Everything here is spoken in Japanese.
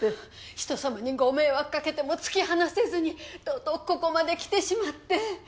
人様にご迷惑かけても突き放せずにとうとうここまで来てしまって。